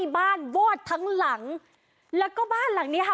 บ้านวอดทั้งหลังแล้วก็บ้านหลังนี้ค่ะ